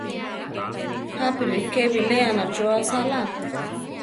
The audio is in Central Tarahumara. Jápi ríke biléana cho asála.